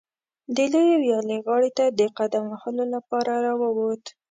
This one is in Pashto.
د لویې ویالې غاړې ته د قدم وهلو لپاره راووت.